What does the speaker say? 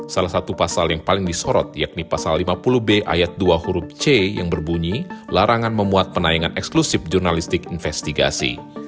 salah satu pasal yang paling disorot yakni pasal lima puluh b ayat dua huruf c yang berbunyi larangan memuat penayangan eksklusif jurnalistik investigasi